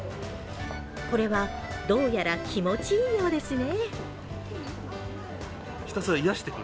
これはどうやら気持ちいいようですね。